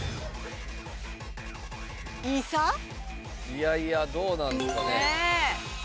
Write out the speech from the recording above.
いやいやどうなんですかね？